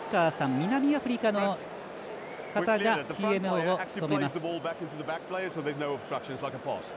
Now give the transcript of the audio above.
南アフリカの方がＴＭＯを務めます。